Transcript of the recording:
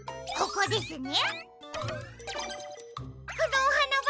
ここですね！